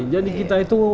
jadi kita itu